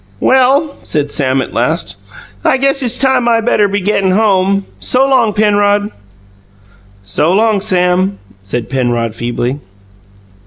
"Well," said Sam, at last, "I guess it's time I better be gettin' home. So long, Penrod!" "So long, Sam," said Penrod, feebly.